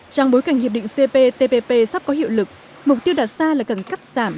trong bối cảnh hiệp định cp tpp sắp có hiệu lực mục tiêu đạt xa là cần cắt giảm